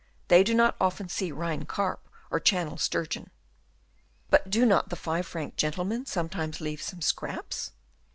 They do not often see Rhine carp or Channel sturgeon." "But do not the five franc gentlemen sometimes leave some scraps?"